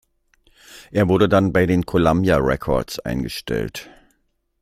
Er wurde dann bei den Columbia Records eingestellt.